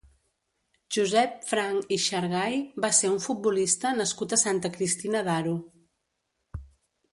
Josep Franch i Xargay va ser un futbolista nascut a Santa Cristina d'Aro.